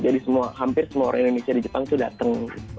jadi hampir semua orang indonesia di jepang tuh datang